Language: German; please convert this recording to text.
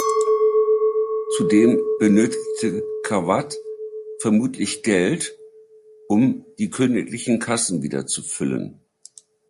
Zudem benötigte Kavadh vermutlich Geld, um die königlichen Kassen wieder zu füllen.